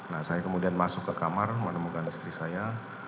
nah saya kemudian masuk ke kamar menemukan istri saya